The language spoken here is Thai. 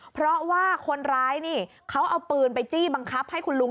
เพราะว่าคนร้ายนี่เขาเอาปืนไปจี้บังคับให้คุณลุง